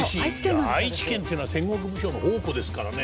いや愛知県っていうのは戦国武将の宝庫ですからね。